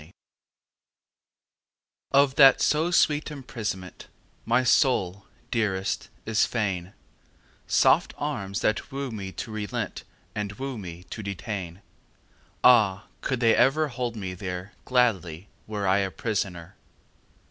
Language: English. XXII Of that so sweet imprisonment My soul, dearest, is fain Soft arms that woo me to relent And woo me to detain. Ah, could they ever hold me there Gladly were I a prisoner!